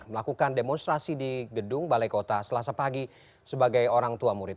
melakukan demonstrasi di gedung balai kota selasa pagi sebagai orang tua murid